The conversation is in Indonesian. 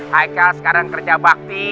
haikal sekarang kerja bakti